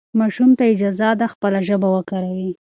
ماشوم ته اجازه ده خپله ژبه وکاروي.